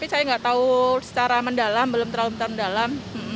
saya nggak tahu secara mendalam belum terlalu dalam